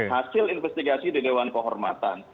hasil investigasi di dewan kehormatan